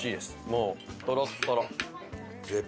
もうトロットロ。